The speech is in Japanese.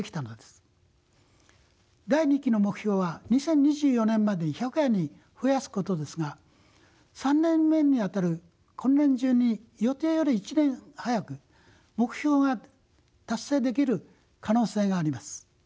第二期の目標は２０２４年までに１００羽に増やすことですが３年目にあたる今年中に予定より１年早く目標が達成できる可能性があります。